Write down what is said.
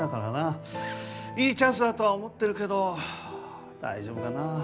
いいチャンスだとは思ってるけど大丈夫かな。